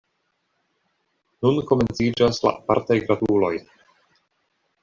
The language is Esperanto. Nun komenciĝas la apartaj gratuloj.